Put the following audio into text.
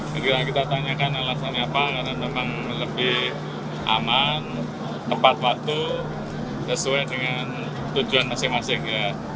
segera kita tanyakan alasannya apa karena memang lebih aman tepat waktu sesuai dengan tujuan masing masing